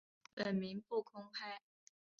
本名不公开。